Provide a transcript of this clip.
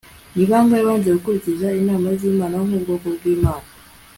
ni bangahe banze gukurikiza inama z'imana! nk'ubwoko bw'imana